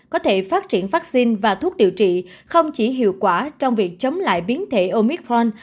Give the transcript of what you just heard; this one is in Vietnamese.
có thể phát triển vaccine và thuốc điều trị không chỉ hiệu quả trong việc chống lại biến thể omicron